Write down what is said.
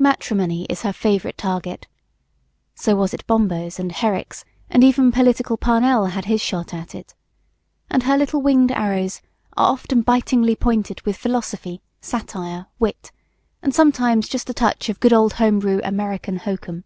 Matrimony is her favorite target (so was it Bombo's and Herrick's and even political Parnell had his shot at it) and her little winged arrows are often bitingly pointed with philosophy, satire, wit and sometimes just a touch of good old home brew American hokum.